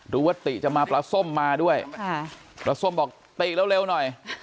ว่าติจะมาปลาส้มมาด้วยปลาส้มบอกติเร็วหน่อย